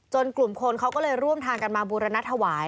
กลุ่มคนเขาก็เลยร่วมทางกันมาบูรณถวาย